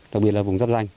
đặc biệt là vùng dắt danh